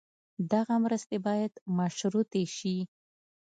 دغه مرستې باید مشروطې شي.